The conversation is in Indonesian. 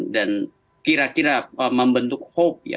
dan kira kira membentuk hope ya